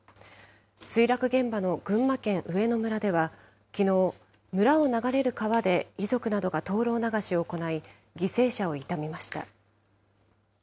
墜落現場の群馬県上野村ではきのう、村を流れる川で遺族などが灯籠流しを行い、犠牲者を悼みました。